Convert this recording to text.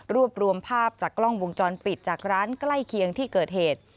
รวบรวมภาพจากกล้องวงจรปิดจากร้านใกล้เคียงที่เกิดเหตุ